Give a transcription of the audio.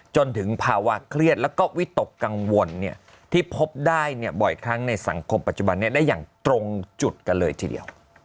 จนถึงภาวะเครียดแล้วก็วิตกกังวลที่พบได้บ่อยครั้งในสังคมปัจจุบันนี้ได้อย่างตรงจุดกันเลยทีเดียว